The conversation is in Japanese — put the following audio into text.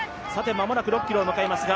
間もなく６ｋｍを迎えますが